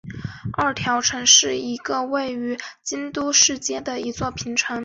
二条城是一座位于京都市街的一座平城。